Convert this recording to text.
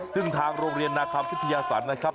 ซึ่งทางโรงเรียนนาคัมพิทยาศรนะครับ